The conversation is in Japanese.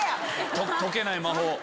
解けない魔法。